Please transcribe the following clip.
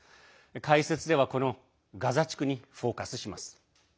解説ではこのガザ地区にフォーカスします。